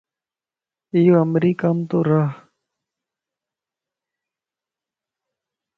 ايو امريڪا مَ تورهه